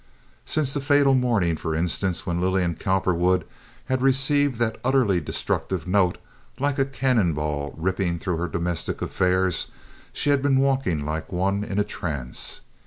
Since the fatal morning, for instance, when Lillian Cowperwood had received that utterly destructive note, like a cannonball ripping through her domestic affairs, she had been walking like one in a trance.